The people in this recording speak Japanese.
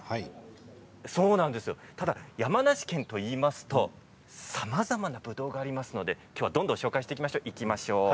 ただ山梨県といいますとさまざまなぶどうがありますので、きょうはどんどんご紹介していきます。